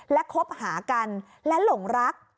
และคบหากันและหลงรัก